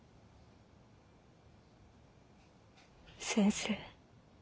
先生。